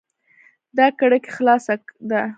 دا کړکي خلاصه ده